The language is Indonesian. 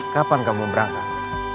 kapan kamu berangkat